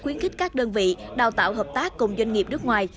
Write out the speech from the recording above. khuyến khích các đơn vị đào tạo hợp tác cùng doanh nghiệp nước ngoài